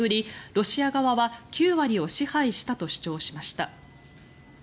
ロシア側は９割を支配したと主張しました。